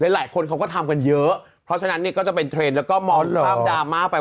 หลายคนเขาก็ทำกันเยอะเพราะฉะนั้นเนี่ยก็จะเป็นเทรนด์แล้วก็ภาพดราม่าไป